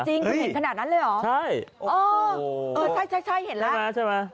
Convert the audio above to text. จริงคุณเห็นขนาดนั้นเลยหรอใช่ใช่เห็นแล้ว